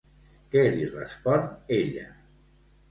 Què li respon ella?